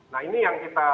nah ini yang kita tayangkan